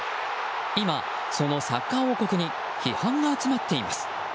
今、そのサッカー王国に批判が集まっています。